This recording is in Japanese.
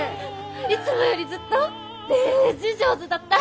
いつもよりずっとデージ上手だった！